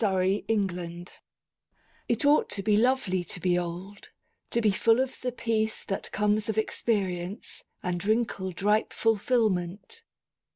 8 Autoplay It ought to be lovely to be old to be full of the peace that comes of experience and wrinkled ripe fulfilment.